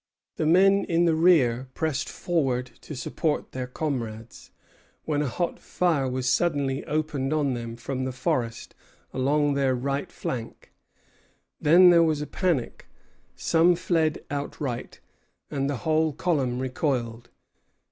The men in the rear pressed forward to support their comrades, when a hot fire was suddenly opened on them from the forest along their right flank. Then there was a panic; some fled outright, and the whole column recoiled.